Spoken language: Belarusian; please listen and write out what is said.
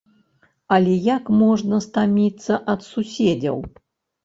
Але як можна стаміцца ад суседзяў?